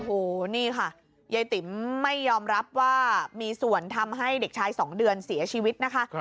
โอ้โหนี่ค่ะยายติ๋มไม่ยอมรับว่ามีส่วนทำให้เด็กชาย๒เดือนเสียชีวิตนะคะ